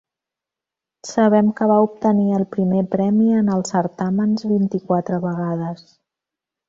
Sabem que va obtenir el primer premi en els certàmens vint-i-quatre vegades.